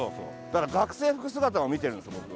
だから学生服姿も見てるんです僕は。